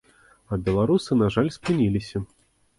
А беларусы, на жаль, спыніліся.